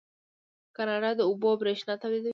کاناډا د اوبو بریښنا تولیدوي.